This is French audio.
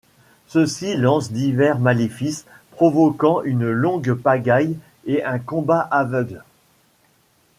Ceux-ci lancent divers maléfices, provoquant une longue pagaille et un combat aveugle.